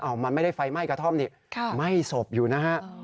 มันไม่ได้ไฟไหม้กระท่อมนี่ไหม้ศพอยู่นะฮะ